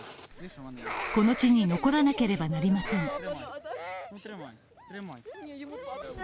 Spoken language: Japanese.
この地に残らなければなりません。